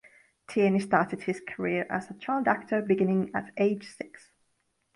Tierney started his career as a child actor, beginning at age six.